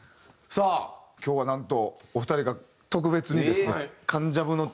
さあ今日はなんとお二人が特別にですねマジか！